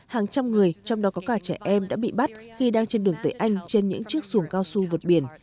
hàng trăm người trong đó có cả trẻ em đã bị bắt khi đang trên đường tẩy anh trên những chiếc xuồng cao su vượt biển